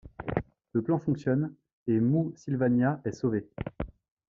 Le plan fonctionne et Moosylvania est sauvé.